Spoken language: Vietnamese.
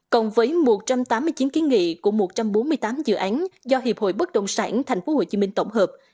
còn với một trăm tám mươi chín kiến nghị của một trăm bốn mươi tám dự án do hiệp hội bất đồng sản tp hcm tổng hợp